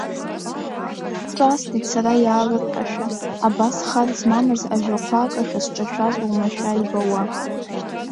Ҿаасҭит сара иаалырҟьашәа, абас хар змамыз ажәақәак ахьысҿашәаз уамашәа ибауа.